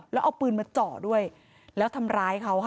แล้วเอาปืนมาเจาะด้วยแล้วทำร้ายเขาค่ะ